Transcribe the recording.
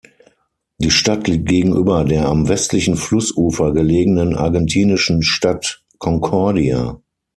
Die Stadt liegt gegenüber der am westlichen Flussufer gelegenen argentinischen Stadt Concordia.